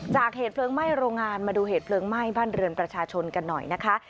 เหตุเพลิงไหม้โรงงานมาดูเหตุเพลิงไหม้บ้านเรือนประชาชนกันหน่อยนะคะ